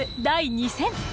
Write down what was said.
第２戦。